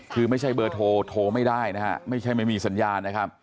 คือไม่ใช่เบอร์โทรโทรไม่ได้ไม่ใช่ไม่มีสัญญาณ